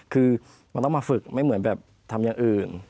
คือมันต้องมาฝึกไม่เหมือนแบบทำอย่างอื่น